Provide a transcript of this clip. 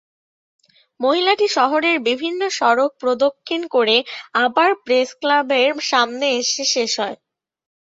মিছিলটি শহরের বিভিন্ন সড়ক প্রদক্ষিণ করে আবার প্রেসক্লাবের সামনে এসে শেষ হয়।